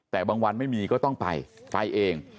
แต่บางวันไม่มีก็ต้องไปไปเอง